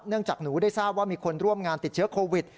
จากหนูได้ทราบว่ามีคนร่วมงานติดเชื้อโควิด